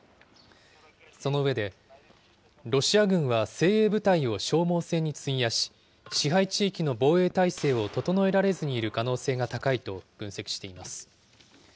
その上で、ロシア軍は精鋭部隊を消耗戦に費やし、支配地域の防衛態勢を整えられずにいる可能性が高いと分析しています。